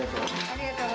ありがとう。